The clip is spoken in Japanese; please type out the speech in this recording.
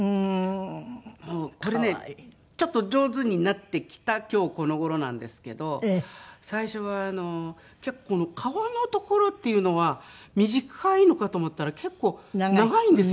これねちょっと上手になってきた今日この頃なんですけど最初はあの結構顔のところっていうのは短いのかと思ったら結構長いんですよ。